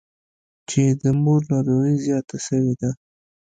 چې د مور ناروغي زياته سوې ده.